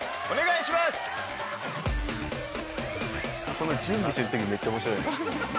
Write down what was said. この準備してるときめっちゃ面白い。